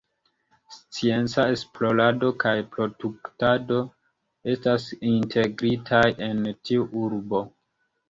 Scienca esplorado kaj produktado estas integritaj en tiu urbo.